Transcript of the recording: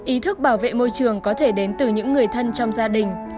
ý thức bảo vệ môi trường có thể đến từ những người thân trong gia đình